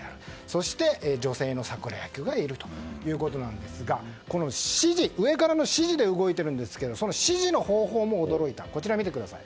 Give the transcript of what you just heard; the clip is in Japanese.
そして、女性のサクラ役がいるということなんですが上からの指示で動いているんですけどその指示の方法も驚いた。